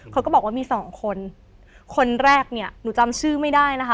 เขาก็บอกว่ามีสองคนคนแรกเนี่ยหนูจำชื่อไม่ได้นะคะ